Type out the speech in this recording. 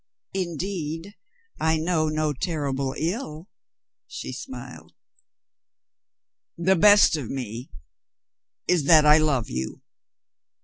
"Indeed, 1 know no terrible ill," she smiled. "The best of me is that I love you."